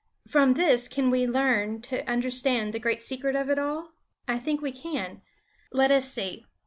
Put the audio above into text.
From this can we learn to understand the great secret of it all? I think we can. Let us see!